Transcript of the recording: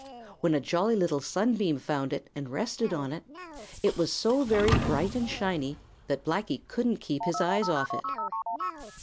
When a Jolly Little Sunbeam found it and rested on it, it was so very bright and shiny that Blacky couldn't keep his eyes off it.